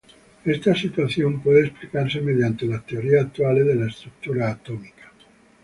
Esta situación puede explicarse mediante las teorías actuales de la estructura atómica.